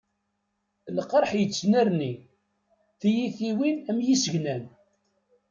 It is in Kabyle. Lqerḥ yettnerni, tiyitiwin am yisegnan.